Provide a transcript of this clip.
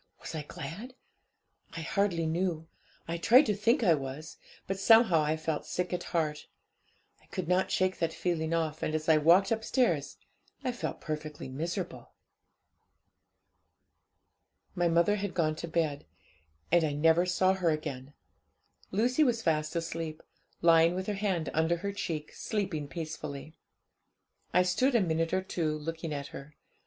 Was I glad? I hardly knew I tried to think I was; but somehow I felt sick at heart; I could not shake that feeling off, and as I walked upstairs, I felt perfectly miserable. 'My mother had gone to bed; and I never saw her again! Lucy was fast asleep, lying with her hand under her cheek, sleeping peacefully. I stood a minute or two looking at her.